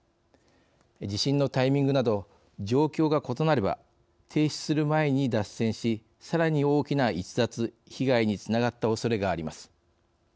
地震のタイミングなど状況が異なれば停止する前に脱線しさらに大きな逸脱、被害につながったおそれがあります。